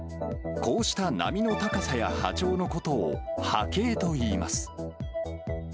こうした波の高さや波長のことを、波形といいます。